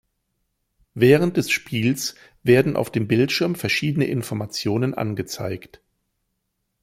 Während des Spiels werden auf dem Bildschirm verschiedene Informationen angezeigt.